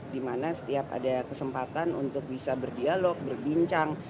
di mana setiap ada kesempatan untuk bisa berdialog berbincang